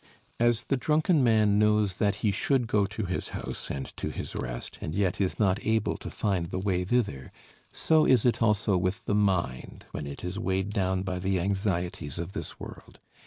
As the drunken man knows that he should go to his house and to his rest, and yet is not able to find the way thither, so is it also with the mind, when it is weighed down by the anxieties of this world.